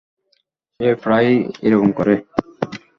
সে প্রায়ই এরকম করে।